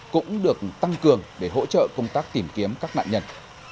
cũng được tăng cường để hỗ trợ công tác tìm kiếm các nạn nhân